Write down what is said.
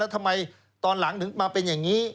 ทำไมตอนหลังถึงมาเป็นอย่างนี้